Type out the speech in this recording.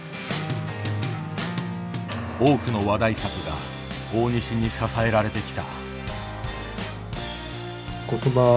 多くの話題作が大西に支えられてきた。